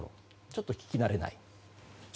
ちょっと聞き慣れないところ。